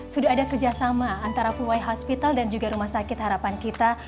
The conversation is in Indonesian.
sudah ada kerjasama antara puhai hospital dan juga rumah sakit harapan kita